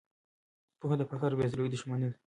پوهه د فقر او بې وزلۍ دښمنه ده.